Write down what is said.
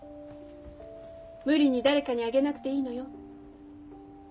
無理に誰かにあげなくていいのよ